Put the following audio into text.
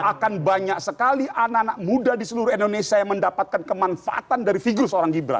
akan banyak sekali anak anak muda di seluruh indonesia yang mendapatkan kemanfaatan dari figur seorang gibran